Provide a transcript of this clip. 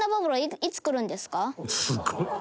すごい！